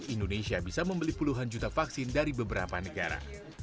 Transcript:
indonesia bisa membeli puluhan juta vaksin dari beberapa negara